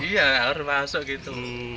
iya air masuk gitu